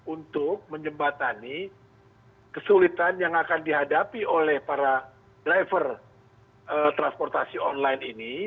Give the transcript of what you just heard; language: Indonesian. untuk menjembatani kesulitan yang akan dihadapi oleh para driver transportasi online ini